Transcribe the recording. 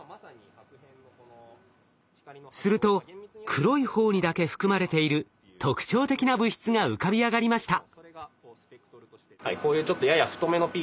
すると黒い方にだけ含まれている特徴的な物質が浮かび上がりました。